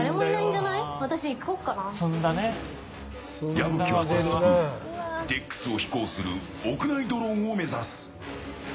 矢吹は早速デックスを飛行する屋内ドローンを目指す。